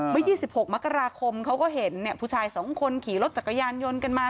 เมื่อ๒๖มกราคมเขาก็เห็นผู้ชาย๒คนขี่รถจักรยานยนต์กันมา